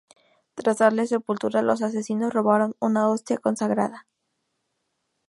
Tras darle sepultura, los asesinos robaron una hostia consagrada.